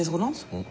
うん。